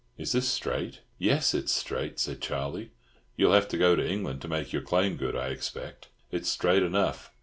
Is this straight?" "Yes, it's straight," said Charlie. "You'll have to go to England to make your claim good, I expect. It's straight enough.